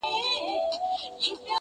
افغانستان له یوې بلې سترې